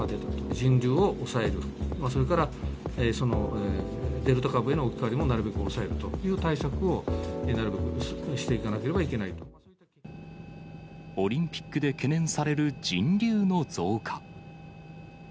人流を抑える、それから、デルタ株への置き換わりもなるべく抑えるという対策もなるべくしオリンピックで懸念される人流の増加。